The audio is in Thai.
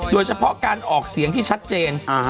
โดยเฉพาะการออกเสียงที่ชัดเจน